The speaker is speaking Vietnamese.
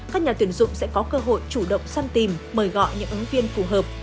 các nhà tuyển dụng sẽ có cơ hội chủ động săn tìm mời gọi những ứng viên phù hợp